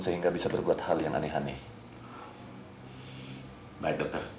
sehingga bisa berbuat hal yang aneh aneh